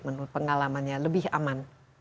menurut pengalamannya lebih aman